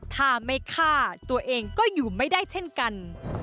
ถ้าไม่ฆ่าตัวเองก็อยู่ไม่ได้เช่นกัน